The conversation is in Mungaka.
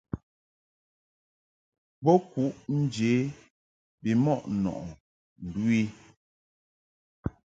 Bo kuʼ nje bimɔʼ nɔʼɨ ndu i.